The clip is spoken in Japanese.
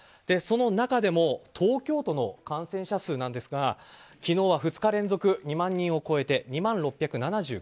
その中でも東京都の感染者数ですが昨日は２日連続２万人を超えて２万６７９人。